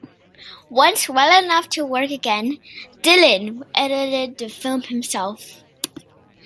Once well enough to work again, Dylan edited the film himself.